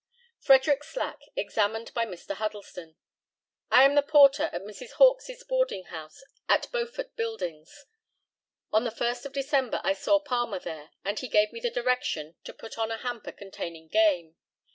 Frederick SLACK, examined by Mr. HUDDLESTON: I am the porter at Mrs. Hawkes's boarding house at Beaufort buildings. On the 1st of December I saw Palmer there, and he gave me the direction to put on a hamper containing game.